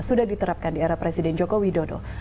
sudah diterapkan di era presiden joko widodo